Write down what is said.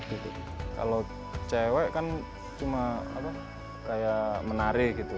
kalau cewek kan cuma kayak menari gitu